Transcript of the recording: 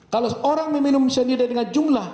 kalau orang meminum cyanida dengan jumlah